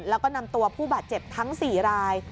แล้วก็นำตัวผู้บาดเจ็บทั้ง๔ราย